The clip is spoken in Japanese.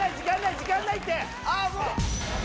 時間ないって！